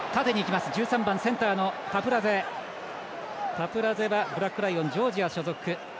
タプラゼはブラックライオンジョージア所属。